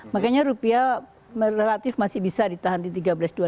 makanya rupiah relatif masih bisa ditahan di tiga belas dua ratus delapan puluh sembilan